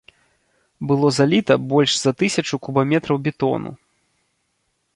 Было заліта больш за тысячу кубаметраў бетону.